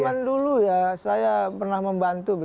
zaman dulu ya saya pernah membantu